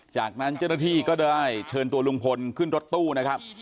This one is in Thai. จากนั้นเจ้าหน้าที่ก็ได้เชิญตัวลุงพลขึ้นรถตู้นะครับ